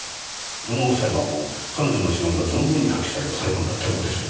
この裁判も彼女の手腕が存分に発揮された裁判だったようです。